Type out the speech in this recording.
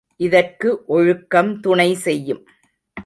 இதற்கு ஒழுக்கம் துணை செய்யும்.